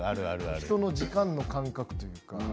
人の時間の感覚とか。